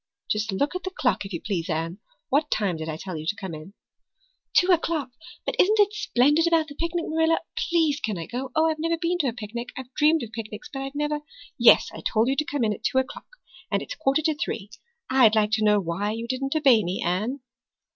"Just look at the clock, if you please, Anne. What time did I tell you to come in?" "Two o'clock but isn't it splendid about the picnic, Marilla? Please can I go? Oh, I've never been to a picnic I've dreamed of picnics, but I've never " "Yes, I told you to come at two o'clock. And it's a quarter to three. I'd like to know why you didn't obey me, Anne."